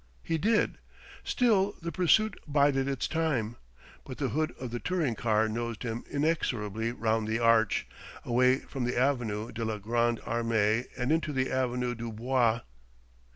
He did: still the pursuit bided its time. But the hood of the touring car nosed him inexorably round the arch, away from the avenue de la Grande Armée and into the avenue du Bois.